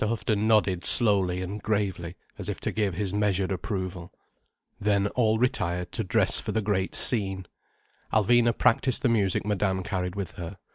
Houghton nodded slowly and gravely, as if to give his measured approval. Then all retired to dress for the great scene. Alvina practised the music Madame carried with her.